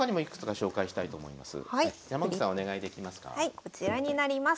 こちらになります。